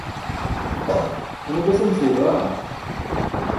Une besan seybaa?